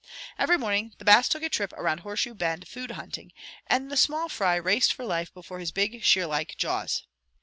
Every morning the Bass took a trip around Horseshoe Bend food hunting, and the small fry raced for life before his big, shear like jaws.